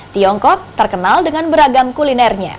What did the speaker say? tiongkok terkenal dengan beragam kulinernya